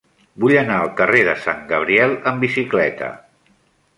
Vull anar al carrer de Sant Gabriel amb bicicleta.